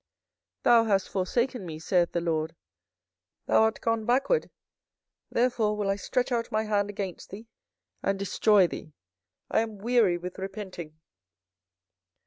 24:015:006 Thou hast forsaken me, saith the LORD, thou art gone backward: therefore will I stretch out my hand against thee, and destroy thee; I am weary with repenting.